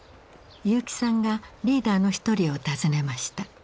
結城さんがリーダーの一人を訪ねました。